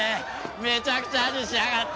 めちゃくちゃにしやがって！